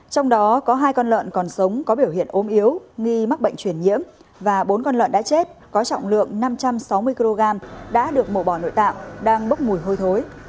trong đó có hai con lợn còn sống có biểu hiện ốm yếu nghi mắc bệnh truyền nhiễm và bốn con lợn đã chết có trọng lượng năm trăm sáu mươi kg đã được mổ bỏ nội tạng đang bốc mùi hôi thối